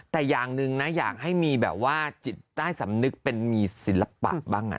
แต่อย่างหนึ่งนะอยากให้มีแบบว่าจิตใต้สำนึกเป็นมีศิลปะบ้าง